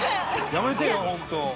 やめてよ本当。